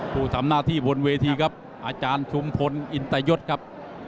ผู้ทำหน้าที่บนเวทีครับอาจารย์ชุมพลอินตยศครับ